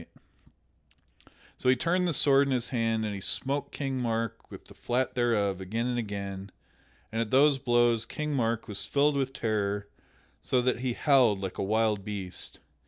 [Sidenote: Sir Tristram beats King Mark] So he turned the sword in his hand and he smote King Mark with the flat thereof again and again, and at those blows King Mark was filled with terror so that he howled like a wild beast.